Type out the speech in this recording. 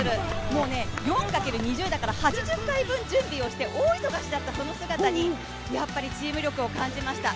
４×２０だから８０回分準備して大忙しだった、その姿にチーム力を感じました。